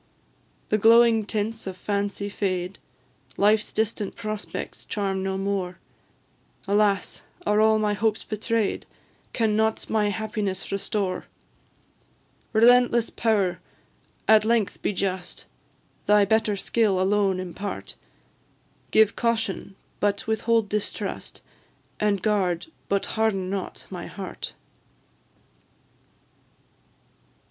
The glowing tints of Fancy fade, Life's distant prospects charm no more; Alas! are all my hopes betray'd? Can nought my happiness restore? Relentless power! at length be just, Thy better skill alone impart; Give Caution, but withhold Distrust, And guard, but harden not, my heart!